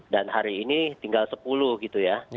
dan hari ini tinggal sepuluh gitu ya